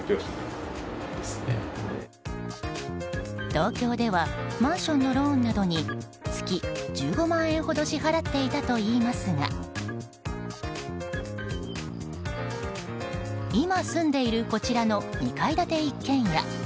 東京ではマンションのローンなどに月１５万円ほど支払っていたといいますが今、住んでいるこちらの２階建て一軒家。